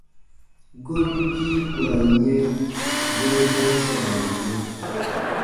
Gobigii ku ra n yɛ̃ bwɛ̃ɛbwɛ̃ɛ sãaru mɔ.